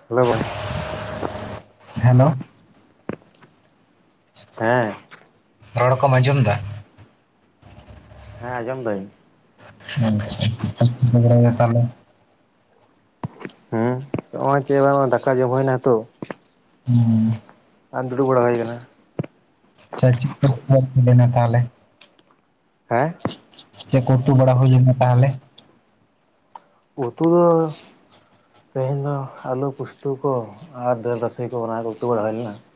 [unintelligible] Hello ᱼᱼ ᱦᱮᱸ ᱼᱼ ᱨᱚᱲ ᱠᱚᱢ ᱟᱸᱡᱚᱢ ᱫᱟ? ᱦᱮᱸ ᱟᱸᱡᱚᱢ ᱫᱟᱹᱧ ᱾ [unintelligible] ᱱᱟᱯᱟᱭ ᱵᱟᱲᱟ ᱜᱮ ᱛᱟᱞᱦᱮ? ᱦᱩᱸ ᱦᱚᱜᱼᱚᱭ ᱪᱮ ᱫᱟᱠᱟ ᱡᱚᱢ ᱦᱩᱭᱱᱟ ᱛᱚ ᱾ ᱦᱩᱸ ᱦᱩᱸ ᱾ [unintelligible] ᱫᱩᱲᱩᱵ ᱵᱟᱲᱟ ᱦᱩᱭ ᱠᱟᱱᱟ ᱾ ᱟᱪᱷᱟ [unintelligible] ᱦᱩᱭᱞᱮᱱᱟ ᱛᱟᱞᱦᱮ? ᱦᱮᱸ ᱼᱼ ᱪᱮᱜ ᱠᱩ ᱩᱛᱩ ᱵᱟᱲᱟ ᱦᱩᱭ ᱞᱮᱱᱟ ᱛᱟᱞᱦᱮ? ᱩᱛᱩ ᱫᱚ ᱼᱼ ᱛᱮᱦᱮᱧ ᱫᱚ ᱟᱞᱩ ᱯᱳᱥᱛᱳ ᱠᱚ ᱟᱨ ᱫᱟᱹᱞ ᱨᱟᱥᱮ ᱠᱚ ᱚᱱᱟ ᱠᱚ ᱩᱛᱩ ᱵᱟᱲᱟ ᱦᱩᱭ ᱞᱮᱱᱟ ᱾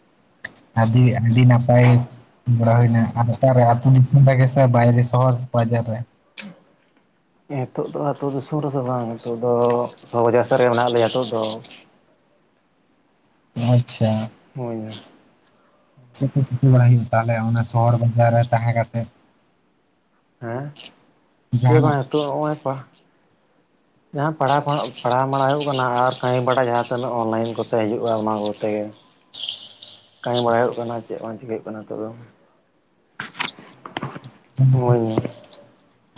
ᱟᱹᱰᱤ ᱟᱹᱰᱤ ᱱᱟᱯᱟᱭ ᱾ ᱵᱟᱲᱟ ᱦᱩᱭᱱᱟ ᱟᱨ ᱚᱠᱟ ᱨᱮ ᱟᱛᱩ ᱫᱤᱥᱚᱢ ᱨᱮᱜᱮ ᱥᱮ ᱵᱟᱭᱨᱮ ᱥᱚᱦᱚᱨ ᱵᱟᱡᱟᱨ ᱨᱮ? ᱱᱤᱛᱚᱜ ᱫᱚ ᱟᱹᱛᱩ ᱫᱤᱥᱚᱢ ‌ᱨᱮᱫᱚ ᱵᱟᱝ ᱱᱤᱛᱚᱜ ᱫᱚ ᱥᱚᱦᱚᱨ ᱵᱟᱡᱟᱨ ᱥᱮᱫ ᱨᱮᱜᱮ ᱢᱮᱱᱟᱜ ᱞᱮᱭᱟ ᱱᱤᱛᱚᱜ ᱫᱚ ᱟᱪᱪᱷᱟ ᱦᱩᱭᱱᱟ ᱪᱮᱫᱠᱚ ᱪᱤᱠᱟᱹ ᱵᱟᱲᱟᱭ ᱦᱩᱭᱩᱜᱼᱟ ᱛᱟᱦᱚᱞᱮ ᱚᱱᱟ ᱥᱚᱦᱚᱨ ᱵᱟᱡᱟᱨ ᱨᱮ ᱛᱟᱸᱦᱮ ᱠᱟᱛᱮ ᱦᱮᱸ ᱪᱤᱠᱟᱹ ᱦᱚᱸ ᱡᱟᱦᱟᱱᱟᱜ ᱵᱟᱝ ᱱᱤᱛᱳᱜ ᱱᱚᱜᱼᱚᱭ ᱯᱟᱹᱹᱹᱹᱹ ᱡᱟᱦᱟᱸ ᱯᱟᱲᱦᱟᱣ ᱯᱟᱲᱦ ᱯᱟᱲᱦᱟᱣ ᱵᱟᱲᱟ ᱢᱟᱬᱦᱟᱣ ᱦᱩᱭᱩᱜ ᱠᱟᱱᱟ ᱟᱨ ᱠᱟᱹᱢᱤ ᱵᱟᱲᱟ ᱡᱟᱦᱟᱸ ᱛᱤᱱᱟᱹᱜ ᱚᱱᱞᱟᱭᱤᱱ ᱠᱚᱛᱮ ᱦᱤᱡᱩᱜᱼᱟ ᱚᱱᱟ ᱠᱚᱛᱮ ᱜᱮ ᱠᱟᱹᱢᱤ ᱵᱟᱲᱟᱭ ᱦᱩᱭᱩᱜ ᱠᱟᱱᱟ ᱟᱨ ᱪᱮᱫ ᱵᱟᱝ ᱪᱤᱠᱟᱹᱭ ᱦᱩᱭᱩᱜ ᱠᱟᱱᱟ ᱱᱤᱛᱳᱜ ᱫᱚ [unintelligible]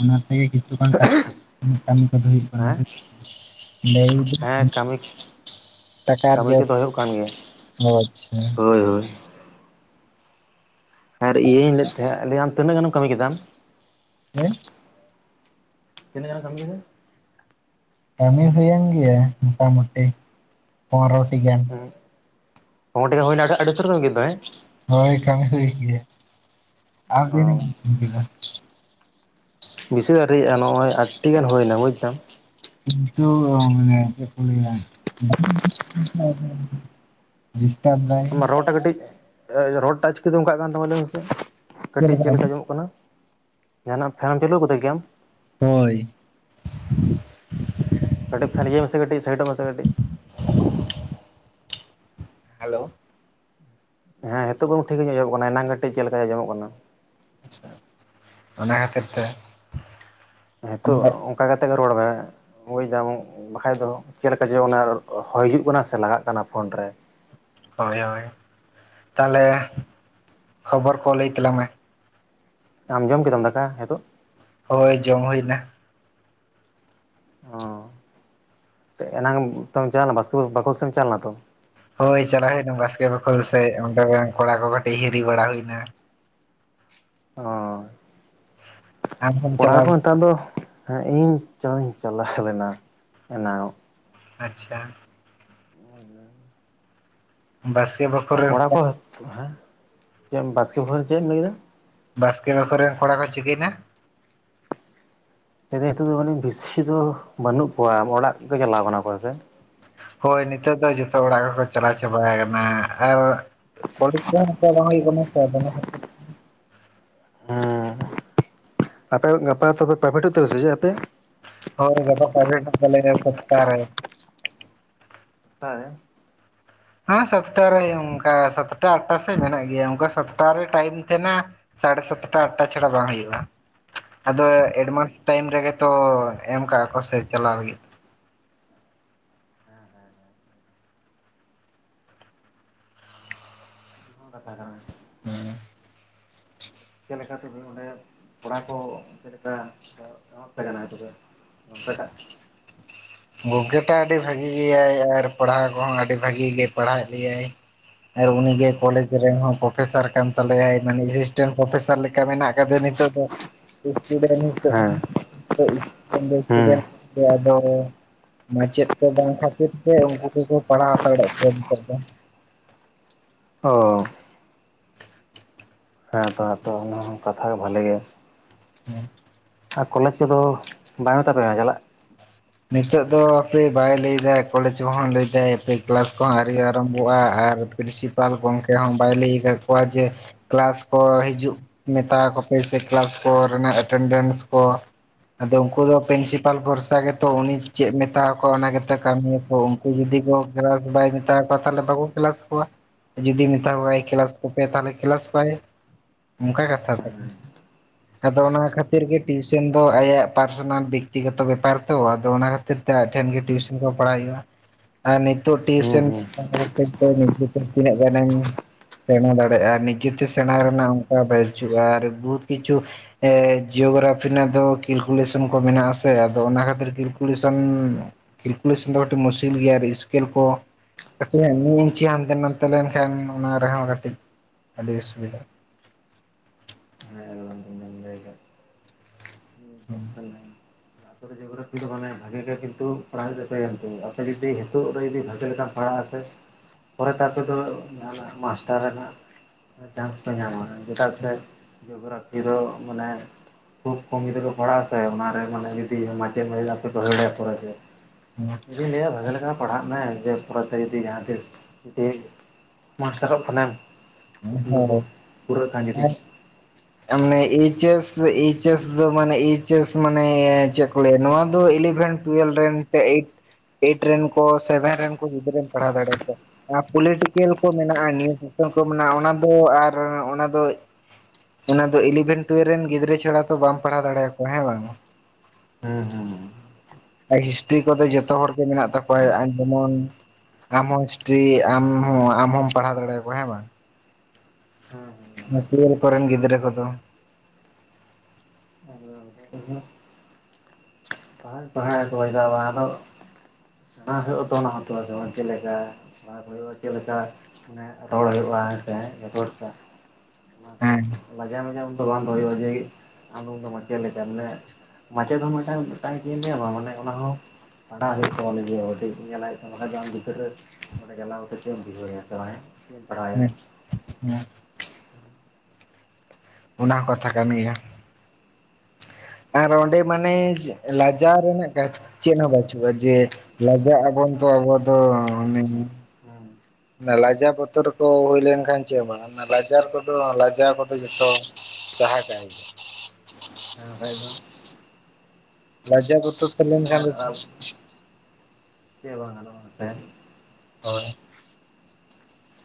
ᱚᱱᱟ ᱛᱮᱜᱮ ᱠᱤᱹᱹᱹᱹᱹ [unintelligible] ᱠᱟᱹᱢᱤ ᱠᱚᱫᱚ ᱦᱩᱭᱩᱜ ᱠᱟᱱᱟ ᱦᱮᱸ ᱥᱮ ᱦᱮᱸ ᱠᱟᱹᱢᱤ [unintelligible] ᱴᱟᱠᱟ ᱟᱨ ᱠᱟᱹᱢᱤ ᱠᱚᱫᱚ ᱦᱩᱭᱩᱜ ᱠᱟᱱ ᱜᱮᱭᱟ᱾ [unintelligible] ᱚ ᱟᱪᱪᱷᱟ ᱦᱳᱭ ᱦᱳᱭ ᱟᱨ ᱤᱭᱟᱹᱧ ᱞᱟᱹᱭᱮᱛ ᱛᱟᱦᱮᱸᱫ ᱟᱨ ᱟᱢ ᱛᱤᱱᱟᱹᱜ ᱜᱟᱱᱮᱢ ᱠᱟᱹᱢᱤ ᱠᱮᱫᱟᱢ ᱟᱢ ᱦᱮᱸ ᱛᱤᱱᱟᱹᱜ ᱜᱟᱱᱮᱢ ᱠᱟᱹᱢᱤ ᱠᱮᱫᱟ ᱠᱟᱹᱢᱤ ᱦᱩᱭᱮᱱ ᱜᱮᱭᱟ ᱢᱚᱴᱟ ᱢᱩᱴᱤ ᱯᱚᱱᱨᱚᱴᱤ ᱜᱟᱱ ᱦᱩᱸ ᱯᱚᱱᱨᱚᱴᱤ ᱜᱟᱱ ᱦᱩᱭᱱᱟ ᱟᱹᱰᱤ ᱩᱥᱛᱟᱹᱨ ᱠᱚ ᱮᱢ ᱠᱮᱫᱚ ᱦᱮᱸ ᱦᱳᱭ ᱠᱟᱹᱢᱤ ᱦᱩᱭᱮᱱ ᱜᱮᱭᱟ ᱟᱢ ᱛᱤᱱᱟ. ᱚ ᱜᱟᱱᱮᱢ ᱮᱢ ᱠᱮᱫᱟ ᱯᱩᱭᱥᱟᱹ ᱫᱚ ᱟᱹᱣᱨᱤᱭᱟᱜ-ᱟ ᱱᱚᱜ-ᱚᱭ ᱟᱴᱴᱤ ᱜᱟᱱ ᱦᱩᱭᱱᱟ ᱵᱩᱡᱫᱟᱢ [unintelligible] ᱚ ᱢᱟᱱᱮ ᱪᱮᱫ ᱠᱚ ᱞᱟᱹᱭᱟ [unintelligible] ᱰᱤᱥᱴᱟᱯ ᱫᱟᱭ [unintelligible] ᱠᱟᱹᱴᱤᱡᱽ ᱨᱚᱲ ᱴᱟᱜ ᱪᱤᱠᱟᱹᱛᱮ ᱚᱱᱠᱟᱜ ᱠᱟᱱ ᱛᱟᱢᱟ ᱞᱟᱹᱭ ᱢᱮᱥᱮ ᱠᱟᱹᱴᱤᱡ ᱪᱮᱫ ᱞᱮᱠᱟ ᱟᱸᱡᱚᱢᱚᱜ ᱠᱟᱱᱟ ᱡᱟᱦᱟᱱᱟᱜ ᱯᱷᱮᱱᱮᱢ ᱪᱟᱹᱞᱩ ᱠᱟᱫᱟ ᱠᱤ ᱟᱢ ᱦᱳᱭ ᱠᱟᱹᱴᱤᱡ ᱯᱷᱮᱱ ᱤᱭᱟᱹᱭ ᱢᱮᱥᱮ ᱠᱟᱹᱴᱤᱡ ᱥᱟᱭᱤᱴᱚᱜ ᱢᱮᱥᱮ ᱠᱟᱹᱴᱤᱡ ᱦᱮᱞᱳ ᱦᱮᱸ ᱦᱤᱛᱳᱜ ᱵᱚᱨᱚᱢ ᱴᱷᱤᱠ ᱜᱮ ᱟᱸᱡᱚᱢᱚᱜ ᱠᱟᱱᱟ ᱮᱱᱟᱝ ᱠᱟᱹᱴᱤᱡ ᱪᱮᱫ ᱞᱮᱠᱟ ᱟᱸᱡᱚᱢᱚᱜ ᱠᱟᱱᱟ ᱟᱪᱷᱟ ᱚᱱᱟ ᱠᱷᱟᱹᱛᱤᱨ ᱛᱮ ᱦᱤᱛᱳᱜ ᱚᱱᱠᱟ ᱠᱟᱛᱮ ᱜᱮ ᱨᱚᱲ ᱢᱮ ᱵᱡᱽᱫᱟᱢ ᱵᱟᱠᱷᱟᱡ ᱫᱚ ᱪᱮᱫᱞᱮᱠᱟ ᱡᱮ ᱚᱱᱟ ᱦᱚᱭ ᱦᱤᱡᱩᱜ ᱠᱟᱱᱟ ᱥᱮ ᱞᱟᱜᱟᱜ ᱠᱟᱱᱟ ᱯᱷᱳᱱ ᱨᱮ ᱦᱳᱭ ᱦᱳᱭ ᱛᱟᱦᱚᱞᱮ ᱠᱷᱚᱵᱚᱨ ᱠᱚ ᱞᱟᱹᱭ ᱛᱟᱞᱟᱝ ᱢᱮ ᱟᱢ ᱡᱚᱢ ᱠᱮᱫᱟᱢ ᱫᱟᱠᱟ ᱦᱤᱛᱳᱜ ᱦᱳᱭ ᱡᱚᱢ ᱦᱳᱭ ᱮᱱᱟ ᱚᱚ ᱮᱱᱟᱝ ᱛᱚ ᱪᱟᱣᱞᱮᱱᱟ ᱵᱟᱥᱠᱮ ᱵᱟᱠᱷᱳᱞ ᱥᱮᱢ ᱪᱟᱶ ᱞᱮᱱᱟ ᱛᱚ ᱦᱳᱭ ᱪᱟᱞᱟᱣ ᱦᱩᱭᱱᱟ ᱵᱟᱥᱠᱮ ᱵᱟᱠᱷᱳᱞ ᱥᱮᱫ ᱚᱸᱰᱮ ᱨᱮᱱ ᱠᱚᱲᱟ ᱠᱚ ᱠᱟᱹᱴᱤᱡ ᱦᱤᱨᱤ ᱵᱟᱲᱟ ᱦᱩᱭᱱᱟ ᱚᱻ ᱟᱢ ᱦᱚᱢ ᱠᱚᱲᱟ ᱠᱚ ᱪᱟᱞᱟᱣ ᱱᱮᱛᱟᱨ ᱫᱚ ᱤᱧ ᱪᱚᱧ ᱪᱟᱞᱟᱣ ᱞᱮᱱᱟ ᱮᱱᱟᱝᱚᱜ ᱟᱪᱪᱷᱟ ᱵᱟᱥᱠᱮ ᱵᱟᱠᱷᱳᱞ ᱨᱮᱱ ᱠᱚᱲᱟ ᱠᱚ ᱦᱮᱸ ᱪᱮᱫ ᱵᱟᱥᱠᱮ ᱵᱟᱠᱷᱳᱞ ᱨᱮ ᱪᱮᱫ ᱮᱢ ᱞᱟᱹᱭᱫᱟ ᱵᱟᱥᱠᱮ ᱵᱟᱠᱷᱳᱞ ᱨᱮᱱ ᱠᱚᱲᱟ ᱠᱚ ᱪᱤᱠᱟᱹᱭᱱᱟ ᱞᱟ. ᱭᱫᱤᱧ ᱱᱤᱛᱚᱜ ᱫᱚ ᱡᱟᱱᱤᱡ ᱵᱤᱥᱤ ᱫᱚ ᱵᱟᱹᱱᱩᱜ ᱠᱚᱣᱟ ᱚᱲᱟᱜ ᱜᱮ ᱠᱚ ᱪᱟᱞᱟᱣ ᱠᱟᱱᱟ ᱠᱚ ᱦᱮᱥᱮ ᱦᱳᱭ ᱱᱤᱛᱳᱜ ᱫᱚ ᱡᱚᱛᱚ ᱚᱲᱟᱜ ᱠᱚᱠᱚ ᱪᱟᱞᱟᱣ ᱪᱟᱵᱟ ᱠᱟᱱᱟ ᱟᱨ ᱠᱚᱞᱮᱡᱽ ᱠᱚᱦᱚᱸ ᱚᱝᱠᱟ ᱵᱟᱝ ᱦᱩᱭᱩᱜ ᱠᱟᱱᱟ ᱥᱮ ᱟᱫᱚ ᱚᱱᱟ ᱠᱷᱟᱹᱛᱤᱨ ᱦᱩᱸ ᱟᱯᱮ ᱜᱟᱯᱟ ᱛᱚᱵᱮ ᱯᱟᱭᱵᱷᱮᱴ ᱦᱩᱭᱩᱜ ᱛᱟᱯᱮᱭᱟ ᱥᱮ ᱪᱮᱫ ᱟᱯᱮᱭᱟᱜ ᱦᱳᱭ ᱜᱟᱯᱟ ᱯᱟᱭᱵᱷᱮᱴ ᱦᱮᱱᱟᱜ ᱛᱟᱞᱮᱭᱟ ᱥᱟᱛᱴᱟ ᱨᱮ [unintelligible] ᱦᱟᱸ ᱥᱟᱛᱴᱟ ᱨᱮ ᱚᱝᱠᱟ ᱥᱟᱛᱴᱟ ᱟᱴᱴᱟ ᱥᱮᱡ ᱢᱮᱱᱟᱜ ᱜᱮᱭᱟ ᱚᱝᱠᱟ ᱥᱟᱛᱴᱟ ᱨᱮ ᱴᱟᱭᱤᱢ ᱛᱷᱮᱱᱟ ᱥᱟᱲᱮ ᱥᱟᱛᱴᱟ ᱟᱴᱴᱟ ᱪᱷᱟᱲᱟ ᱵᱟᱝ ᱦᱩᱭᱩᱜᱼᱟ ᱟᱫᱚ ᱮᱰᱵᱷᱟᱱᱥ ᱴᱟᱭᱤᱢ ᱨᱮᱜᱮᱛᱚ ᱮᱢ ᱠᱟᱜᱼᱟ ᱠᱚ ᱥᱮ ᱪᱟᱞᱟᱣ ᱞᱟᱹᱜᱤᱫ ᱚᱱᱟ ᱦᱚᱸ ᱠᱟᱛᱷᱟ ᱠᱟᱱᱟ ᱦᱩᱸ ᱪᱮᱫ ᱞᱮᱠᱟᱛᱮ ᱚᱸᱰᱮ ᱠᱚᱲᱟ ᱠᱚ ᱪᱮᱫ ᱞᱮᱠᱟ ᱮᱡᱟ [unintelligible] ᱛᱚᱵᱮ ᱜᱚᱝᱠᱮ ᱴᱟᱜ ᱜᱚᱝᱠᱮ ᱴᱟᱜ ᱟᱹᱰᱤ ᱵᱷᱟᱜᱤ ᱜᱮᱭᱟᱭ ᱟᱨ ᱯᱟᱲᱦᱟᱣ ᱠᱚᱦᱚᱸ ᱟᱹᱰᱤ ᱵᱷᱟᱜᱤ ᱜᱮ ᱯᱟᱲᱦᱟᱣᱮᱫ ᱞᱮᱭᱟᱭ ᱟᱨ ᱩᱱᱤᱜᱮ ᱠᱚᱞᱮᱡᱽ ᱨᱮᱱ ᱦᱚᱸ ᱯᱮᱥᱟᱨ ᱠᱟᱱ ᱛᱟᱞᱮᱭᱟᱭ ᱢᱟᱱᱮ ᱮᱥᱤᱥᱴᱮᱱᱴ ᱯᱨᱚᱯᱷᱮᱥᱟᱨ ᱞᱮᱠᱟ ᱢᱮᱱᱟᱜ ᱟᱠᱟᱫᱮᱭᱟ ᱱᱤᱛᱚᱜ ᱦᱮᱸ ᱦᱩᱸ [unintelligible] ᱢᱟᱪᱮᱫ ᱠᱚ ᱵᱟᱝ ᱠᱷᱟᱹᱛᱤᱨ ᱛᱮ ᱩᱝᱠᱩ ᱠᱚᱠᱚ ᱯᱟᱲᱦᱟᱣ ᱦᱟᱛᱟᱲᱮᱜ ᱞᱮᱭᱟ ᱱᱮᱛᱟᱨ ᱫᱚ ᱚ ᱦᱮᱸ ᱛᱚ ᱦᱮᱸ ᱛᱚ ᱚᱱᱟ ᱦᱚᱸ ᱠᱟᱛᱷᱟ ᱵᱷᱟᱞᱮ ᱜᱮ ᱦᱩᱸ ᱟᱨ ᱠᱚᱞᱮᱡᱽ ᱠᱚᱫᱚ ᱵᱟᱭ ᱢᱮᱛᱟ ᱯᱮᱭᱟ ᱪᱟᱞᱟᱜ? ᱱᱤᱛᱚᱜ ᱫᱚ ᱦᱟᱯᱮ ᱵᱟᱭ ᱞᱟᱹᱭᱫᱟ ᱠᱚᱞᱮᱡᱽ ᱠᱚᱦᱚᱸ ᱞᱟᱹᱭᱫᱟᱭ ᱦᱟᱯᱮ ᱠᱮᱞᱟᱥ ᱠᱚᱦᱚᱸ ᱟᱨᱣᱨᱤ ᱟᱨᱟᱢᱵᱷᱚᱜᱼᱟ ᱟᱨ ᱯᱨᱤᱱᱥᱤᱯᱟᱞ ᱜᱚᱝᱠᱮ ᱦᱚᱸ ᱵᱟᱭ ᱞᱟᱹᱭ ᱠᱟᱫ ᱠᱚᱣᱟ ᱡᱮ ᱠᱮᱞᱟᱥ ᱠᱚ ᱦᱤᱡᱩᱜ ᱢᱮᱛᱟ ᱠᱚᱯᱮ ᱥᱮ ᱠᱮᱞᱟᱥ ᱠᱚᱨᱮᱱᱟᱜ ᱮᱴᱮᱱᱰᱮᱱᱥ ᱠᱚ ᱟᱫᱚ ᱩᱱᱠᱩ ᱫᱚ ᱯᱨᱤᱱᱥᱤᱯᱟᱞ ᱵᱷᱚᱨᱥᱟ ᱜᱮ ᱛᱚ ᱩᱱᱤ ᱪᱮᱫ ᱢᱮᱛᱟᱣᱟ ᱠᱚᱣᱟ ᱚᱱᱟ ᱜᱮᱛᱚ ᱠᱟᱹᱢᱤᱭᱟᱠᱚ ᱩᱱᱠᱩ ᱡᱩᱫᱤ ᱠᱚ ᱠᱞᱟᱥ ᱵᱟᱭ ᱢᱮᱛᱟᱣᱟ ᱠᱚᱣᱟ ᱛᱟᱦᱚᱞᱮ ᱵᱟᱹᱠᱩ ᱠᱞᱟᱥ ᱠᱚᱣᱟ ᱡᱩᱫᱤ ᱢᱮᱛᱟ ᱠᱚᱣᱟᱭ ᱠᱞᱟᱥ ᱠᱚᱯᱮ ᱛᱟᱦᱚᱞᱮ ᱠᱞᱟᱥ ᱠᱚᱣᱟᱭ ᱚᱝᱠᱟ ᱠᱟᱛᱷᱟ ᱟᱫᱚ ᱚᱱᱟ ᱠᱷᱟᱹᱛᱤᱨ ᱜᱮ ᱴᱤᱭᱩᱥᱚᱱ ᱫᱚ ᱟᱭᱟᱜ ᱯᱟᱨᱥᱚᱱᱟᱞ ᱵᱮᱠᱛᱤᱜᱚᱛᱚ ᱵᱮᱯᱟᱨ ᱛᱚ ᱟᱫᱚ ᱚᱱᱟ ᱠᱷᱟᱹᱛᱤᱨ ᱛᱮ ᱟᱡ ᱴᱷᱮᱱ ᱜᱮ ᱴᱤᱭᱩᱥᱚᱱ ᱠᱚ ᱯᱟᱲᱦᱟᱣ ᱦᱩᱭᱩᱜᱼᱟ᱾ ᱟᱨ ᱱᱤᱛᱚᱜ ᱦᱩᱸ ᱴᱤᱭᱩᱥᱚᱱ ᱦᱩᱸ [unintelligible] ᱱᱤᱡᱮ ᱛᱤᱱᱟᱹᱜ ᱜᱟᱱ ᱮᱢ ᱥᱮᱬᱟ ᱫᱟᱲᱮᱟ ᱱᱤᱡᱮᱛᱮ ᱥᱮᱬᱟ ᱨᱮᱱᱟᱜ ᱚᱝᱠᱟ ᱵᱟᱡᱩᱜᱼᱟ ᱟᱨ ᱵᱩᱦᱩᱛ ᱠᱤᱪᱷᱩ ᱡᱤᱭᱳᱜᱨᱟᱯᱷᱤ ᱨᱮᱱᱟᱜ ᱫᱚ ᱠᱤᱞᱠᱩᱞᱮᱥᱚᱱ ᱠᱚ ᱢᱮᱱᱟᱜᱼᱟ ᱟᱥᱮ ᱟᱫᱚ ᱚᱱᱟ ᱠᱷᱟᱹᱛᱤᱨ ᱠᱤᱞᱠᱩᱞᱮᱥᱚᱱ ᱠᱤᱞᱠᱩᱞᱮᱥᱚᱱ ᱫᱚ ᱠᱟᱹᱴᱤᱡ ᱢᱩᱥᱠᱤᱞ ᱜᱮᱭᱟ ᱟᱨ ᱤᱥᱠᱮᱞ ᱠᱚ ᱠᱟᱹᱴᱤᱡ ᱦᱟᱸᱜ ᱢᱤᱜ ᱤᱧᱪᱤ ᱦᱟᱱᱛᱮ ᱱᱟᱛᱮ ᱞᱮᱱᱠᱷᱟᱱ ᱚᱱᱟ ᱨᱮᱦᱚᱸ ᱠᱟᱹᱴᱤᱡ ᱟᱹᱰᱤ ᱚᱥᱩᱵᱤᱫᱟᱜ [unintelligible] ᱛᱟᱯᱚᱨ ᱡᱮᱠᱳᱱᱳ ᱯᱷᱤᱨ ᱢᱟᱱ ᱵᱷᱟᱜᱮ ᱜᱮ ᱠᱤᱱᱛᱩ [unintelligible] ᱟᱯᱮ ᱡᱩᱫᱤ ᱱᱤᱛᱚᱜ ᱨᱮ ᱡᱩᱫᱤ ᱵᱷᱟᱜᱮ ᱞᱮᱠᱟᱢ ᱯᱟᱲᱟᱜ ᱟᱥᱮ ᱯᱚᱨᱮᱛᱮ ᱟᱯᱮ ᱫᱚ ᱢᱟᱥᱴᱟᱨ ᱨᱮᱱᱟᱜ ᱪᱟᱱᱥ ᱯᱮ ᱧᱟᱢᱟ ᱪᱮᱫᱟᱜ ᱥᱮ ᱡᱳᱜᱨᱟᱯᱷᱤ ᱫᱚ ᱢᱟᱱᱮ ᱠᱷᱩᱵ ᱠᱚᱢᱤ ᱜᱤᱫᱽᱨᱟᱹ ᱠᱚ ᱯᱟᱲᱟᱜᱼᱟ ᱥᱮ ᱚᱱᱟᱨᱮ ᱢᱟᱱᱮ ᱢᱤᱫᱫᱤᱱ ᱢᱟᱪᱮᱫ [unintelligible] ᱦᱩᱭ ᱫᱟᱲᱮᱭᱟᱜ-ᱟ ᱯᱚᱨᱮ ᱛᱮ ᱤᱧ ᱫᱩᱧ ᱞᱟᱹᱭᱟ ᱵᱷᱟᱜᱮ ᱞᱮᱠᱟ ᱯᱟᱲᱦᱟᱜ ᱢᱮ ᱡᱮ ᱯᱚᱨᱮᱛᱮ ᱡᱩᱫᱤ ᱡᱟᱦᱟᱸ ᱛᱤᱥ ᱡᱩᱫᱤ ᱢᱟᱥᱴᱟᱨᱚᱜ ᱠᱷᱟᱱᱮᱢ ᱦᱩᱸ ᱠᱩᱠᱢᱩ ᱠᱚ ᱦᱳᱭ ᱯᱩᱨᱟᱹᱜ ᱠᱟᱱ ᱡᱩᱫᱤ ᱦᱳᱭ ᱢᱟᱱᱮ ᱮᱭᱪ. ᱮᱥ. ᱮᱭᱪ. ᱮᱥ. ᱫᱚ ᱢᱟᱱᱮ ᱮᱭᱪ. ᱮᱥ. ᱢᱟᱱᱮ ᱱᱚᱣᱟ ᱫᱚ ᱤᱞᱤᱵᱷᱮᱱ ᱴᱩᱭᱮᱞᱵᱷ ᱨᱮᱱ ᱮᱭᱤᱴ ᱮᱭᱤᱴ ᱨᱮᱱ ᱠᱚ ᱥᱮᱵᱷᱮᱱ ᱨᱮᱱ ᱠᱚ ᱜᱤᱫᱽᱨᱟᱹᱢ ᱯᱟᱲᱦᱟᱣ ᱫᱟᱲᱮᱭᱟ ᱠᱚᱣᱟ ᱟᱨ ᱯᱚᱞᱤᱴᱤᱠᱮᱞ ᱠᱚ ᱢᱮᱱᱟᱜᱼᱟ ᱱᱤᱭᱩᱴᱨᱮᱥᱚᱱ ᱠᱚ ᱢᱮᱱᱟᱜᱼᱟ ᱚᱱᱟ ᱫᱚ ᱟᱨ ᱚᱱᱟ ᱫᱚ ᱚᱱᱟ ᱫᱚ ᱤᱞᱮᱵᱷᱮᱱ ᱴᱩᱭᱮᱞᱵᱷ ᱨᱮᱱ ᱜᱤᱫᱽᱨᱟᱹ ᱪᱷᱟᱲᱟ ᱛᱚ ᱵᱟᱢ ᱯᱟᱲᱦᱟᱣ ᱫᱟᱲᱮᱭᱟ ᱠᱚᱣᱟ ᱦᱮᱸ ᱵᱟᱝ? ᱦᱮᱸ ᱦᱩᱸ ᱦᱩᱸ ᱟᱨ ᱦᱤᱥᱴᱨᱤ ᱠᱚᱫᱚ ᱡᱚᱛᱚ ᱦᱚᱲᱜᱮ ᱢᱮᱱᱟᱜ ᱛᱟᱠᱚᱣᱟ ᱡᱮᱢᱚᱱ ᱟᱢᱦᱚᱸ ᱦᱤᱥᱴᱨᱤ ᱟᱢ ᱦᱚᱸ ᱟᱢ ᱦᱚᱢ ᱯᱟᱲᱦᱟᱣ ᱫᱟᱲᱮᱭᱟ ᱠᱚᱣᱟ ᱦᱮᱸ ᱵᱟᱝ [unintelligible] ᱱᱚᱣᱟ ᱴᱩᱭᱟᱞᱵᱷ ᱠᱚᱨᱮᱱ ᱜᱤᱫᱽᱨᱟᱹ ᱠᱚᱫᱚ ᱟᱫᱚ ᱚᱱᱠᱟ ᱫᱚ ᱱᱟᱦᱟᱜ ᱦᱟᱜ ᱯᱟᱲᱦᱟᱣᱮᱫ ᱠᱚᱣᱟᱜ ᱫᱚ [unintelligible] ᱚᱱᱟ ᱦᱩᱭᱩᱜ ᱛᱚ ᱚᱱᱟ ᱛᱚ ᱟᱫᱚ ᱪᱮᱫ ᱞᱮᱠᱟ ᱯᱟᱲᱦᱟᱣ ᱠᱚ ᱦᱩᱭᱩᱜᱼᱟ ᱪᱮᱫ ᱞᱮᱠᱟ ᱢᱟᱱᱮ ᱨᱚᱲ ᱦᱩᱭᱩᱜᱼᱟ ᱦᱮᱸ ᱥᱮ [unintelligible] ᱠᱚ ᱚᱱᱟ ᱠᱚ ᱦᱮᱸ ᱞᱟᱡᱟ ᱢᱟᱡᱟᱣ ᱩᱱ ᱫᱚ ᱵᱟᱝ ᱫᱚᱦᱚᱭᱼᱟ ᱡᱮ ᱟᱢᱫᱚ ᱫᱚ ᱢᱟᱪᱮᱫ ᱞᱮᱠᱟ ᱢᱟᱱᱮ ᱢᱟᱪᱮᱫ ᱦᱚᱸ ᱢᱤᱫᱴᱟᱝ ᱪᱮᱫ ᱤᱧ ᱞᱟᱹᱭ ᱟᱢᱟ ᱚᱱᱟ ᱦᱚᱸ ᱢᱟᱱᱮ ᱚᱱᱟ ᱦᱚᱸ ᱯᱟᱲᱦᱟᱣ ᱦᱩᱭᱩᱜ-ᱟ ᱛᱚ ᱞᱟᱹᱜᱤᱫ ᱧᱮᱞᱟᱭ ᱵᱟᱠᱷᱟᱡ ᱫᱚ ᱟᱢ ᱜᱤᱫᱽᱨᱟᱹ ᱚᱰᱮ ᱡᱟᱞᱟ ᱩᱛᱟᱹᱨ ᱜᱮᱢ ᱵᱩᱡᱷᱟᱣ ᱮᱭᱟ ᱵᱟ ᱦᱮᱸ [unintelligible] ᱚᱱᱟ ᱦᱚᱸ ᱠᱟᱛᱷᱟ ᱠᱟᱱ ᱜᱮᱭᱟ ᱟᱨ ᱚᱸᱰᱮ ᱢᱟᱱᱮ ᱞᱟᱡᱟᱣ ᱨᱮᱱᱟᱜ ᱠᱟ ᱪᱮᱫ ᱦᱚᱸ ᱵᱟᱹᱪᱩᱜᱼᱟ ᱡᱮ ᱞᱟᱡᱟᱜ ᱟᱵᱚᱱ ᱛᱚ ᱟᱵᱚ ᱫᱚ ᱢᱮᱱ [unintelligible] ᱚᱱᱟ ᱞᱟᱡᱟᱣ ᱵᱚᱛᱚᱨ ᱠᱚ ᱦᱩᱭ ᱞᱮᱱᱠᱷᱟᱱ ᱪᱮᱫ ᱵᱟᱝ ᱞᱟᱡᱟᱣ ᱠᱚᱫᱚ ᱞᱟᱡᱟᱣ ᱠᱚᱫᱚ ᱡᱚᱛᱚ ᱥᱟᱦᱟ ᱠᱟᱜ ᱜᱮ ᱦᱮᱸ ᱵᱟᱠᱷᱟᱡ ᱫᱚ ᱞᱟᱡᱟᱣ ᱵᱚᱛᱚᱨ ᱛᱟᱦᱮᱸ ᱞᱮᱱᱠᱷᱟᱱ ᱫᱚ ᱪᱮᱜ ᱪᱮᱜ ᱦᱚᱸ ᱵᱟᱝ ᱜᱟᱱᱚᱜ-ᱟ ᱱᱚᱛᱮ ᱦᱳᱭ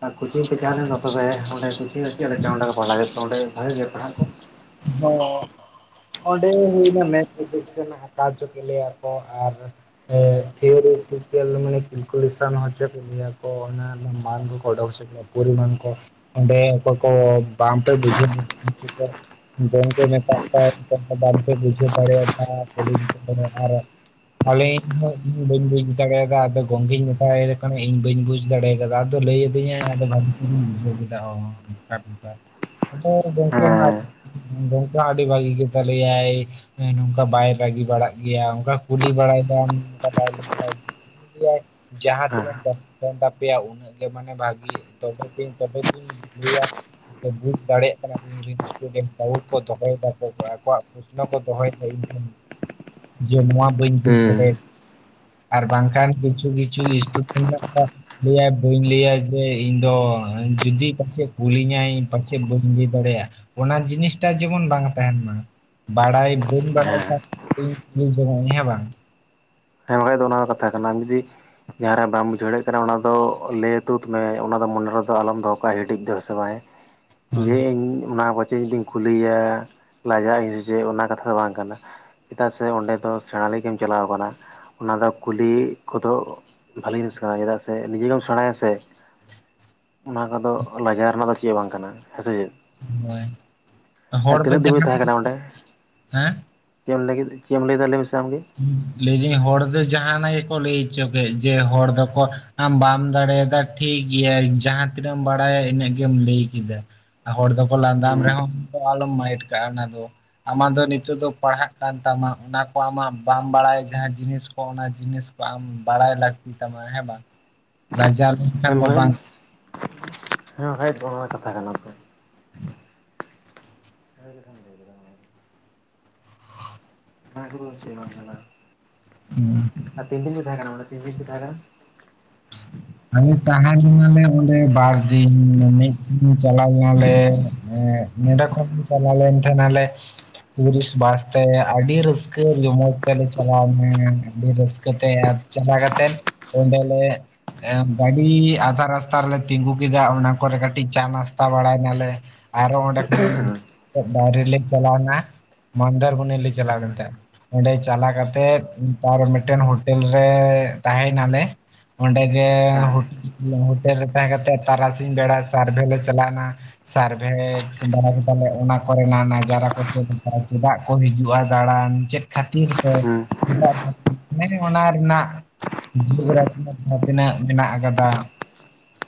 ᱟᱨ ᱠᱳᱪᱤᱝ ᱯᱮ ᱪᱟᱞᱟᱣ ᱞᱮᱱ ᱫᱚ ᱛᱚᱵᱮ ᱚᱸᱰᱮ ᱠᱳᱪᱤᱝ ᱨᱮ ᱪᱮᱫ ᱞᱮᱠᱟ ᱯᱟᱲᱦᱟᱣ ᱠᱮᱫ ᱠᱚᱣᱟ ᱚᱸᱰᱮ ᱵᱷᱟᱜᱤ ᱜᱮ ᱯᱟᱲᱦᱟᱜ ᱠᱚ ᱦᱚᱸ ᱚᱸᱰᱮ ᱦᱚᱸ ᱦᱩᱭᱱᱟ ᱢᱮᱛᱷ ᱯᱷᱤᱡᱤᱠᱥ ᱨᱮᱱᱟᱜ ᱦᱟᱛᱟᱣᱟ ᱦᱚᱪᱚ ᱠᱮᱫ ᱞᱮᱭᱟᱠᱚ ᱟᱨ ᱛᱷᱤᱭᱳᱨᱤ ᱯᱮᱠᱴᱤᱠᱮᱞ ᱢᱟᱱᱮ ᱠᱮᱠᱩᱞᱮᱥᱚᱱ ᱦᱚᱪᱚ ᱠᱮᱫ ᱞᱮᱭᱟ ᱠᱚ ᱚᱱᱟ ᱨᱮᱱᱟᱜ ᱢᱟᱱ ᱠᱚ ᱚᱰᱚᱠ ᱦᱚᱪᱚ ᱯᱚᱨᱤᱢᱟᱱ ᱠᱚ ᱚᱸᱰᱮ ᱠᱚᱠᱚ ᱵᱟᱢ ᱯᱮ ᱵᱩᱡᱟᱹᱣ [unintelligible] ᱜᱚᱝᱠᱮ ᱢᱮᱛᱟᱜ ᱠᱚᱣᱟᱭ ᱚᱠᱚᱭ ᱠᱚ ᱵᱟᱝ ᱯᱮ ᱵᱩᱡᱷᱟᱣ ᱫᱟᱲᱮ ᱭᱟᱫᱟ ᱠᱩᱞᱤᱧ ᱯᱮ [unintelligible] [unintelligible] ᱤᱧ ᱵᱟᱹᱧ ᱵᱩᱡ ᱫᱟᱲᱮᱭᱟᱫᱟ ᱟᱫᱚ ᱜᱚᱝᱠᱮᱧ ᱢᱮᱛᱟᱭᱮ ᱠᱟᱱᱟ ᱤᱧ ᱵᱟᱹᱧ ᱵᱩᱡ ᱫᱟᱲᱮ ᱟᱫᱟ ᱞᱟᱹᱭ ᱟᱹᱫᱤᱧᱟᱭ ᱟᱫᱚ ᱱᱟᱜ [unintelligible] ᱵᱩᱡᱷᱟᱣ ᱠᱮᱫᱟ ᱱᱚᱝᱠᱟ ᱱᱚᱝᱠᱟ ᱟᱫᱚ ᱜᱚᱝᱠᱤ ᱦᱚᱸ ᱦᱮᱸ ᱜᱚᱝᱠᱮ ᱦᱚᱸ ᱟᱰᱤ ᱵᱷᱟᱜᱮ ᱜᱮ ᱛᱟᱞᱮᱭᱟᱭ ᱱᱚᱝᱠᱟ ᱵᱟᱭ ᱨᱟᱹᱜᱤ ᱵᱟᱲᱟᱜ ᱜᱮᱭᱟ ᱚᱝᱠᱟ ᱠᱩᱞᱤ ᱵᱟᱲᱟᱭ ᱱᱚᱝᱠᱟ [unintelligible] ᱡᱟᱦᱟᱸ ᱦᱮᱸ ᱛᱤᱱᱟᱹᱜ [unintelligible] ᱛᱟᱯᱮᱭᱟ ᱩᱱᱟᱹᱜ ᱜᱮ ᱢᱟᱱᱮ ᱵᱷᱟᱜᱮ ᱛᱚᱵᱮ ᱛᱚᱧ ᱛᱚᱵᱮ ᱛᱤᱧ ᱞᱟᱹᱭᱟ ᱵᱩᱡ ᱫᱟᱲᱮᱭᱟᱜ ᱠᱟᱱᱟ ᱠᱚ ᱤᱧ‌ᱨᱮᱱ [unintelligible] ᱥᱴᱩᱰᱮᱱᱴ ᱛᱟᱣ ᱠᱚ ᱫᱚᱦᱚᱭ ᱫᱟᱠᱚ ᱟᱠᱚᱣᱟᱜ ᱯᱚᱥᱱᱚ ᱠᱚ ᱫᱚᱦᱚᱭ ᱫᱟᱧ ᱴᱷᱮᱱ ᱡᱮ ᱱᱚᱣᱟ ᱵᱟᱹᱧ ᱡᱩᱡ ᱫᱟᱲᱮ [inaudible] ᱟᱨ ᱵᱟᱝᱠᱷᱟᱱ ᱠᱤᱪᱷᱩ ᱠᱤᱪᱷᱩ ᱥᱴᱩᱰᱮᱱᱴ ᱢᱮᱱᱟᱜ ᱠᱚᱣᱟ ᱞᱟᱹᱭᱟᱭ ᱵᱟᱹᱧ ᱞᱟᱹᱭᱟ ᱡᱮ ᱤᱧᱫᱚ ᱡᱩᱫᱤ ᱯᱟᱪᱮᱫ ᱠᱩᱞᱤᱧᱟᱭ ᱯᱟᱪᱮᱫ ᱵᱟᱹᱧ ᱞᱟᱹᱭ ᱫᱟᱲᱮᱭᱟᱜᱼᱟ ᱚᱱᱟ ᱡᱤᱱᱤᱥᱴᱟᱜ ᱡᱮᱢᱚᱱ ᱵᱟᱝ ᱛᱟᱦᱮᱱ ᱢᱟ ᱵᱟᱲᱟᱭ ᱵᱟᱹᱧ ᱵᱟᱲᱟᱭ ᱦᱮᱸ ᱠᱷᱟᱱ ᱤᱧ ᱡᱚᱝᱟᱭᱟ ᱦᱮᱸ ᱵᱟᱝ ᱦᱮᱸ ᱵᱟᱠᱷᱟᱡ ᱚᱱᱟ ᱦᱚ‌ ᱠᱟᱛᱷᱟ ᱠᱟᱱᱟ ᱟᱢ ᱡᱩᱫᱤ ᱡᱟᱦᱟᱸ ᱨᱮ ᱵᱟᱢ ᱵᱩᱡᱷᱟᱹᱣᱮᱜ ᱠᱟᱱᱟ ᱚᱱᱟ ᱫᱚ ᱞᱟᱹᱭ ᱛᱩᱫ ᱢᱮ ᱚᱱᱟ ᱫᱚ ᱢᱚᱱᱮ ᱨᱮᱫᱚ ᱟᱞᱚᱢ ᱫᱚᱦᱚ ᱠᱟᱜᱼᱟ ᱦᱤᱰᱤᱡ ᱫᱚ ᱥᱮ ᱵᱟᱝᱟᱭ ᱡᱮ ᱤᱧ ᱚᱱᱟ ᱠᱚᱪᱮ ᱡᱩᱫᱤᱧ ᱠᱩᱞᱤᱭᱟ ᱞᱟᱡᱟᱜ ᱤᱧ ᱥᱮ ᱪᱮᱫ ᱚᱱᱟ ᱠᱟᱛᱷᱟ ᱫᱚ ᱵᱟᱝ ᱠᱟᱱᱟ ᱪᱮᱫᱟᱜ ᱥᱮ ᱚᱸᱰᱮ ᱫᱚ ᱥᱮᱬᱟ ᱞᱟᱹᱜᱤᱛ ᱮᱢ ᱪᱟᱞᱟᱣ ᱟᱠᱟᱱᱟ ᱚᱱᱟ ᱫᱚ ᱠᱩᱞᱤ ᱠᱚᱫᱚ ᱵᱟᱷᱹᱞᱮ ᱡᱤᱱᱤᱥ ᱠᱟᱱᱟ ᱪᱮᱫᱟᱜ ᱥᱮ ᱱᱤᱡᱮᱜᱮᱢ ᱥᱮᱬᱟᱭᱟ ᱥᱮ ᱚᱱᱟ ᱠᱚᱫᱚ ᱞᱟᱡᱟᱣ ᱨᱮᱱᱟᱜ ᱫᱚ ᱪᱮᱫ ᱵᱟᱝ ᱠᱟᱱᱟ ᱦᱮᱸᱥᱮ ᱪᱮᱫ ᱦᱳᱭ ᱟᱨ ᱦᱚᱲ ᱫᱚ ᱛᱤᱱᱟᱹᱜ ᱫᱤᱱ ᱵᱤᱱ ᱡᱟᱦᱟᱸ ᱛᱟᱦᱮᱸ ᱠᱟᱱᱟ ᱚᱸᱰᱮ ᱦᱮᱸ ᱪᱮᱫ ᱮᱢ ᱞᱟᱹᱭ ᱠᱮᱫᱟ ᱪᱮᱫ ᱮᱢ ᱞᱟᱹᱭ ᱢᱮᱥᱮ ᱟᱢ ᱜᱮ ᱞᱟᱹᱭᱫᱟᱹᱧ ᱦᱚᱲ ᱫᱚ ᱡᱟᱦᱟᱱᱟᱜ ᱜᱮᱠᱚ ᱞᱟᱹᱭ ᱦᱚᱪᱚ ᱠᱮᱫ ᱡᱮ ᱦᱚᱲ ᱫᱚᱠᱚ ᱟᱢ ᱵᱟᱢ ᱫᱟᱲᱮᱭᱟᱫᱟ ᱴᱷᱤᱠᱜᱭᱟ ᱡᱟᱦᱟᱸ ᱛᱤᱱᱟᱹᱜ ᱮᱢ ᱵᱟᱲᱟᱭᱟ ᱤᱱᱟᱹᱜ ᱜᱮᱢ ᱞᱟᱹᱭ ᱠᱮᱫᱟ ᱦᱚᱲ ᱫᱚᱠᱚ ᱞᱟᱸᱫᱟᱢ ᱦᱮᱸ ᱨᱮᱦᱚᱸ ᱟᱞᱚᱢ ᱢᱟᱭᱤᱱᱰ ᱠᱟᱜᱼᱟ ᱚᱱᱟ ᱫᱚ ᱟᱢᱟᱜ ᱫᱚ ᱱᱤᱛᱚᱜ ᱫᱚ ᱯᱟᱲᱦᱟᱜ ᱠᱟᱱ ᱛᱟᱢᱟ ᱚᱱᱟ ᱠᱚ ᱟᱢᱟᱜ ᱵᱟᱢ ᱵᱟᱲᱟᱭᱟ ᱡᱟᱦᱟᱸ ᱡᱤᱱᱤᱥ ᱠᱚ ᱚᱱᱟ ᱡᱤᱱᱤᱥ ᱠᱚ ᱟᱢ ᱵᱟᱲᱟᱭ ᱞᱟᱹᱠᱛᱤ ᱛᱟᱢᱟ ᱦᱮᱸ ᱵᱟᱝ [unintelligible] ᱦᱮᱸ ᱢᱚᱦᱮᱫ ᱵᱟᱝ ᱦᱮᱸ ᱢᱚᱦᱟᱭᱮᱫ ᱚᱱᱟ ᱨᱮᱱᱟᱜ ᱠᱟᱛᱷᱟ ᱠᱟᱱᱟ ᱛᱚ [unintelligible] [unintelligible] [inaudible] ᱟᱨ ᱛᱤᱱ ᱫᱤᱱ ᱵᱤᱱ ᱛᱟᱦᱮ ᱠᱟᱱᱟ ᱛᱤᱱ ᱫᱤᱱ ᱵᱤᱱ ᱛᱟᱦᱮᱸ ᱠᱟᱱᱟ ᱟᱞᱮ ᱛᱟᱦᱮᱸ ᱞᱮᱱᱟᱞᱮ ᱚᱸᱰᱮ ᱵᱟᱨ ᱫᱤᱱ ᱢᱤᱫ ᱥᱤᱧ ᱪᱟᱞᱟᱣ ᱞᱮᱱᱟᱞᱮ ᱮᱸ ᱱᱚᱰᱮ ᱠᱷᱚᱱᱧ ᱪᱟᱞᱟ ᱞᱮᱱ ᱛᱟᱦᱮᱱᱟᱞᱮ ᱴᱩᱨᱤᱥᱴ ᱵᱟᱥᱛᱮ ᱟᱹᱰᱤ ᱨᱟᱹᱥᱠᱟᱹ ᱡᱚᱢᱚᱸᱡᱽ ᱛᱮᱞᱮ ᱪᱟᱞᱟᱣᱱᱟ ᱟᱹᱰᱤ ᱨᱟᱹᱥᱠᱟᱹᱛᱮ ᱪᱟᱞᱟ ᱠᱟᱛᱮᱛ ᱚᱸᱰᱮ ᱞᱮ ᱜᱟᱹᱰᱤ ᱟᱫᱷᱟ ᱨᱟᱥᱛᱟ ᱨᱮᱞᱮ ᱛᱤᱸᱜᱩ ᱠᱮᱫᱟ ᱚᱱᱟ ᱠᱚᱨᱮ ᱠᱟᱹᱴᱤᱡ ᱪᱟ ᱱᱟᱥᱛᱟ ᱵᱟᱲᱟᱭ ᱱᱟᱞᱮ ᱟᱨᱚ ᱚᱸᱰᱮ ᱠᱷᱚᱱᱟᱜ ᱵᱟᱭᱨᱮ ᱞᱤᱧ ᱪᱟᱞᱟᱣᱱᱟ ᱢᱚᱱᱫᱟᱨ ᱢᱚᱱᱤ ᱞᱮ ᱪᱟᱞᱟᱣ ᱦᱮᱸ ᱞᱮᱱ ᱛᱟᱸᱦᱮᱫ ᱚᱸᱰᱮ ᱪᱟᱞᱟᱣ ᱠᱟᱛᱮᱜ ᱛᱟᱨ ᱢᱤᱫᱴᱮᱱ ᱦᱳᱴᱮᱞ ᱨᱮ ᱛᱟᱦᱮᱸᱭᱱᱟᱞᱮ ᱚᱸᱰᱮ ᱮᱸ ᱦᱳᱴᱮᱞ ᱨᱮ ᱛᱟᱦᱮᱸ ᱠᱟᱛᱮᱜ ᱛᱟᱨᱟᱥᱤᱧ ᱵᱮᱲᱟ ᱥᱟᱨᱵᱷᱮ ᱞᱮ ᱪᱟᱞᱟᱣ ᱮᱱᱟ ᱥᱟᱨᱵᱷᱮ ᱵᱟᱲᱟ ᱠᱮᱫᱟᱞᱮ ᱚᱱᱟ ᱠᱚᱨᱮᱱᱟᱜ ᱱᱟᱡᱟᱨᱟ [unintelligible] ᱪᱮᱫᱟᱜ ᱠᱚ ᱦᱤᱡᱩᱜᱼᱟ ᱫᱟᱬᱟᱱ ᱪᱮᱫ ᱠᱷᱟᱹᱛᱤᱨ ᱠᱚ ᱦᱮᱸ [unintelligible] ᱦᱮ ᱚᱱᱟ ᱨᱮᱱᱟᱜ ᱡᱤᱭᱜᱨᱟ ᱛᱤᱱᱟᱹᱜ ᱢᱮᱱᱟᱜ ᱟᱠᱟᱫᱟ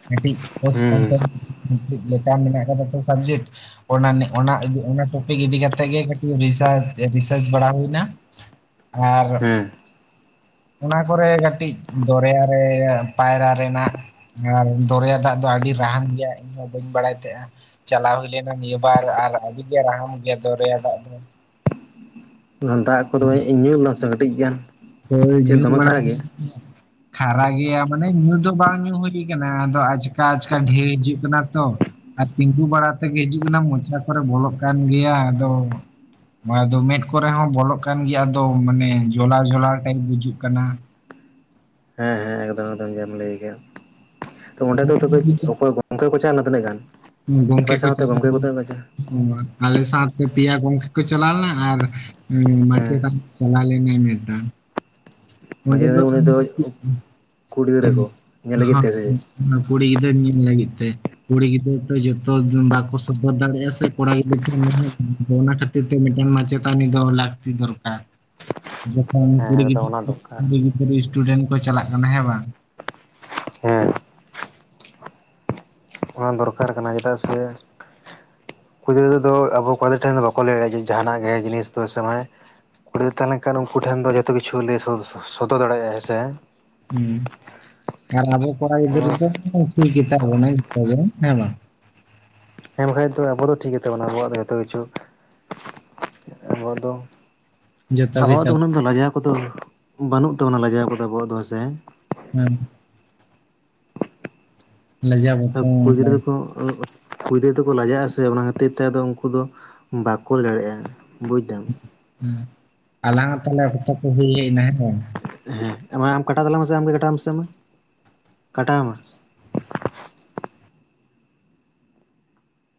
ᱠᱟᱹᱴᱤᱡ ᱦᱮᱸ [unintelligible] ᱞᱮᱠᱟ ᱢᱮᱱᱟᱜ ᱠᱟᱫᱟ ᱛᱚ ᱥᱟᱵᱡᱮᱠᱴ ᱚᱱᱟ ᱚᱱᱟ ᱚᱱᱟ ᱴᱚᱯᱤᱠ ᱤᱫᱤ ᱠᱟᱛᱮᱫ ᱜᱮ ᱠᱟᱹᱴᱤᱡ ᱨᱤᱥᱟᱨᱪ ᱨᱤᱥᱟᱨᱪ ᱵᱟᱲᱟ ᱦᱩᱭᱱᱟ ᱟᱨ ᱦᱮᱸ ᱚᱱᱟ ᱠᱚᱨᱮ ᱠᱟᱹᱴᱤᱡ ᱫᱚᱨᱭᱟ ᱨᱮ ᱯᱟᱭᱨᱟ ᱨᱮᱱᱟᱜ ᱟᱨ ᱫᱚᱨᱭᱟ ᱫᱟᱜ ᱫᱚ ᱟᱹᱰᱤ ᱨᱟᱦᱟᱱ ᱜᱮᱭᱟ ᱤᱧ ᱦᱚᱸ ᱵᱟᱹᱧ ᱵᱟᱲᱟᱭ ᱛᱟᱦᱮᱸᱜᱼᱟ ᱪᱟᱞᱟᱣ ᱦᱩᱭᱞᱮᱱᱟ ᱱᱤᱭᱟᱹᱵᱟᱨ ᱟᱨ ᱟᱹᱰᱤᱞᱮ ᱨᱟᱦᱟᱢ ᱜᱮᱭᱟ ᱫᱚᱨᱭᱟ ᱫᱟᱜ ᱫᱚ ᱫᱟᱜ ᱠᱚᱫᱚ ᱧᱩ ᱞᱮᱫᱟᱢ ᱥᱮ ᱠᱟᱹᱴᱤᱡ ᱜᱟᱱ ᱦᱳᱭ ᱪᱮᱫ ᱡᱩ ᱫᱚᱢᱮ ᱠᱷᱟᱨᱟ ᱵᱟᱲᱟᱜ ᱜᱮᱭᱟ ᱠᱷᱟᱨᱟ ᱜᱮᱭᱟ ᱢᱟᱱᱮ ᱧᱩ ᱫᱚ ᱵᱟᱝ ᱧᱩ ᱦᱩᱭ ᱟᱠᱟᱱᱟ ᱟᱫᱚ ᱟᱪᱠᱟ ᱟᱪᱠᱟ ᱰᱷᱮᱣ ᱦᱤᱡᱩᱜ ᱠᱟᱱᱟ ᱛᱚ ᱟᱨ ᱛᱤᱸᱜᱩ ᱵᱟᱲᱟ ᱛᱮᱜᱮ ᱦᱤᱡᱩᱜ ᱠᱟᱱᱟ ᱢᱚᱪᱟ ᱠᱚᱨᱮ ᱵᱚᱞᱚᱜ ᱠᱟᱱ ᱜᱮᱭᱟ ᱟᱫᱚ ᱱᱚᱜ ᱫᱚ ᱢᱮᱸᱫ ᱠᱚᱨᱮ ᱦᱚᱸ ᱵᱚᱞᱚᱜ ᱠᱟᱱ ᱜᱮᱭᱟ ᱟᱫᱚ ᱢᱟᱱᱮ ᱡᱚᱞᱟᱣ ᱡᱚᱞᱟᱣ ᱴᱟᱭᱤᱯ ᱵᱩᱡᱩᱜ ᱠᱟᱱᱟ [unintelligible] ᱞᱟᱹᱭᱮ ᱠᱮᱜᱼᱟ ᱛᱚ ᱚᱸᱰᱮ ᱫᱚ ᱛᱚᱵᱮ ᱚᱠᱚᱭ ᱜᱚᱝᱠᱮ ᱠᱚ ᱪᱟᱣᱱᱟ ᱛᱤᱱᱟᱹᱜ ᱜᱟᱱ ᱜᱚᱝᱠᱮ ᱚᱠᱚᱭ ᱠᱚ ᱥᱟᱶᱛᱮ ᱪᱟᱞᱟᱣ ᱜᱚᱝᱠᱮ ᱠᱚ ᱞᱮᱱᱟ ᱛᱤᱱᱟᱹᱜ ᱠᱚ ᱪᱟᱣ ᱚ ᱟᱞᱮ ᱥᱟᱶᱛᱮ ᱯᱮᱭᱟ ᱜᱚᱝᱠᱮ ᱠᱚ ᱪᱟᱞᱟᱣ ᱞᱮᱱᱟ ᱟᱨ ᱦᱮ ᱦᱮᱸ ᱢᱟᱪᱮᱛᱟᱱᱤ ᱪᱟᱞᱟᱣ ᱞᱮᱱᱤᱧ ᱢᱮᱫᱴᱟᱝ, ᱚᱸᱰᱮ ᱫᱚ ᱠᱩᱲᱤ ᱜᱤᱫᱽᱨᱟᱹ ᱟᱢ ᱠᱚ ᱧᱮᱞ ᱞᱟᱹᱜᱤᱫ ᱛᱮ ᱥᱮ ᱪᱮᱫ [unintelligible] ᱚᱱᱟ ᱠᱩᱲᱤ ᱜᱤᱫᱟᱹᱨ ᱧᱮᱞ ᱞᱟᱹᱜᱤᱫ ᱛᱮ, ᱠᱩᱲᱤ ᱜᱤᱫᱽᱟᱹᱨ ᱫᱚ ᱡᱚᱛᱚ ᱵᱟᱠᱚ ᱥᱚᱫᱚᱨ ᱫᱟᱲᱮᱭᱟᱜᱼᱟ ᱥᱮ ᱠᱚᱲᱟ ᱜᱤᱫᱽᱟᱹᱨ ᱴᱷᱮᱱ ᱢᱟᱱᱮ ᱚᱱᱟ ᱠᱷᱟᱹᱛᱤᱨ ᱛᱮ ᱢᱤᱫᱴᱮᱱ ᱢᱟᱪᱮᱛᱟᱱᱤ ᱫᱚ ᱞᱟᱹᱜᱛᱤ ᱫᱚᱨᱠᱟᱨ, [inaudible] ᱡᱚᱠᱷᱚᱱ ᱦᱮᱸ ᱠᱩᱲᱤ ᱮᱠᱫᱚᱢ ᱚᱱᱟ ᱜᱤᱫᱽᱨᱟᱹ ᱫᱚᱨᱠᱟᱨ ᱠᱩᱲᱤ ᱜᱤᱫᱽᱨᱟᱹ ᱥᱴᱩᱰᱮᱱᱴ ᱠᱚ ᱪᱟᱞᱟᱜ ᱠᱟᱱᱟ ᱦᱮᱸ ᱵᱟᱝ, ᱦᱮᱸ ᱚᱱᱟ ᱫᱚᱨᱠᱟᱨ ᱠᱟᱱᱟ ᱪᱮᱫᱟᱜ ᱥᱮ, ᱠᱩᱲᱤ ᱜᱤᱫᱽᱟᱹᱨ ᱫᱚ ᱟᱵᱚ ᱠᱚᱲᱟ ᱜᱤᱫᱽᱟᱹᱨ ᱴᱷᱮᱱ ᱫᱚ ᱵᱟᱠᱚ ᱞᱟᱹᱭ ᱫᱟᱲᱮᱭᱟᱜᱼᱟ ᱡᱟᱦᱟᱱᱟᱜ ᱜᱮ ᱡᱤᱱᱤᱥ ᱫᱚ ᱦᱮᱸᱥᱮ ᱵᱟᱝ, ᱠᱩᱲᱤ ᱫᱚ ᱛᱟᱦᱮᱸ ᱞᱮᱱ ᱠᱷᱟᱱ ᱩᱱᱠᱩ ᱴᱷᱮᱱ ᱫᱚ ᱡᱚᱛᱚ ᱠᱤᱪᱷᱩᱞ ᱞᱮᱮ ᱥᱚᱫᱚᱨ ᱫᱟᱲᱮᱭᱟᱜᱼᱟ ᱦᱮᱸᱥᱮ, ᱦᱮᱸ ᱟᱨ ᱟᱵᱚ ᱠᱚᱲᱟ ᱜᱤᱫᱽᱨᱟᱹ ᱥᱮ ᱫᱚ ᱴᱤᱠ ᱜᱮᱛᱟ ᱵᱚᱱᱟ ᱡᱚᱛᱚᱜᱮ ᱦᱮᱸ ᱵᱟᱝ, ᱦᱮᱸ ᱵᱟᱠᱷᱟᱡ ᱫᱚ ᱟᱵᱚ ᱴᱷᱤᱠ ᱜᱮᱛᱟ ᱵᱚᱱᱟ ᱟᱵᱚᱣᱟᱜ ᱡᱚᱛᱚ ᱠᱤᱪᱷᱩ, ᱟᱵᱚᱣᱟᱜ ᱫᱚ ᱡᱚᱛᱚ ᱜᱮ ᱟᱵᱚᱣᱟᱜ ᱫᱚ ᱪᱟᱞᱟᱜ ᱩᱱᱟᱹᱜ ᱫᱚ ᱞᱟᱡᱟᱣ ᱠᱚᱫᱚ ᱵᱟᱹᱱᱩᱜ ᱛᱟᱵᱚᱱᱟ ᱞᱟᱡᱟᱣ ᱠᱚᱫᱚ ᱟᱵᱚᱣᱟᱜ ᱫᱚ ᱦᱮᱸᱥᱮ ᱦᱩᱸ ᱞᱟᱡᱟ ᱟᱨ ᱵᱟᱛᱚ ᱠᱩᱲᱤ ᱜᱤᱫᱽᱨᱟᱹ ᱟᱜ ᱣ ᱠᱩᱲᱤ ᱜᱤᱫᱽᱟᱹᱨ ᱫᱚᱼᱠᱚ ᱞᱟᱡᱟᱜ ᱟᱥᱮ ᱚᱱᱟ ᱠᱷᱟᱹᱛᱤᱨ ᱛᱮ ᱟᱫᱚ ᱩᱱᱠᱩ ᱫᱚ ᱵᱟᱠᱚ ᱞᱮᱫᱟᱲᱮᱭᱟᱜᱼᱟ ᱵᱩᱡᱫᱟ, ᱟᱞᱟᱱᱟᱜ ᱛᱟᱦᱚᱞᱮ ᱚᱠᱛᱚ ᱠᱚ ᱦᱩᱭ ᱦᱮᱡ ᱮᱱᱟ ᱦᱮᱸ ᱵᱟᱝ, ᱦᱮᱸ ᱟᱢ ᱠᱟᱴᱟᱣ ᱛᱟᱞᱟᱝ ᱢᱮ ᱥᱮ ᱟᱢᱜᱮ ᱠᱟᱴᱟᱣ ᱢᱮᱥᱮ ᱢᱟ ᱠᱟᱴᱟᱣ ᱢᱮ